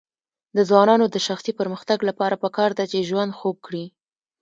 د ځوانانو د شخصي پرمختګ لپاره پکار ده چې ژوند خوږ کړي.